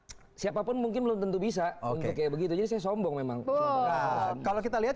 hai siapapun mungkin belum tentu bisa oke begitu saya sombong memang kalau kita lihat